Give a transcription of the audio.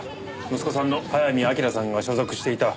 息子さんの早見明さんが所属していた。